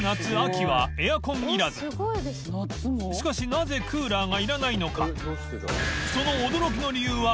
なぜクーラーが要らないのか？